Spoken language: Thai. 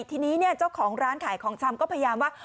ทีนี้เจ้าของร้านขายของชำก็พยายามว่า